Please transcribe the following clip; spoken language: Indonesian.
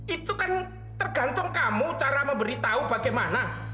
itu kan tergantung kamu cara memberitahu bagaimana